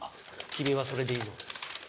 君はそれでいいの？